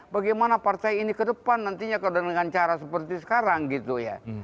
bagaimana partai ini ke depan nantinya kalau dengan cara seperti sekarang gitu ya